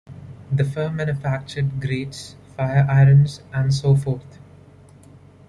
The firm manufactured grates, fire irons and so forth.